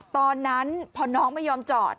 ตอนนั้นพอน้องไม่ยอมจอด